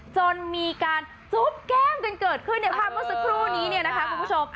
จนมีการจุ๊บแก้มกันเกิดขึ้นในภาพเมื่อสักครู่นี้เนี่ยนะคะคุณผู้ชม